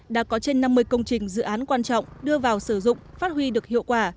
đã có trên năm mươi công trình dự án quan trọng đưa vào sử dụng phát huy được hiệu quả